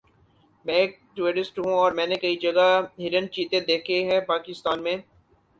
میں ایک ٹورسٹ ہوں اور میں نے کئی جگہ ہرن چیتے دیکھے ہے پاکستان میں